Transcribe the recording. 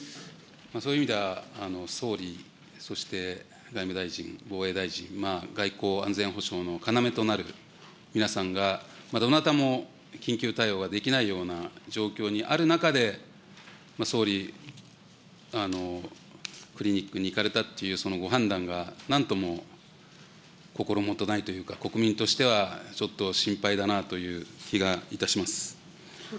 そういう意味では、総理、そして外務大臣、防衛大臣、外交・安全保障の要となる皆さんが、どなたも緊急対応ができないような状況にある中で、総理、クリニックに行かれたっていうそのご判断がなんともこころもとないというか、国民としては、ちょっと心配だなという気がいたします。